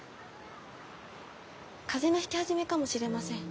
風邪のひき始めかもしれません。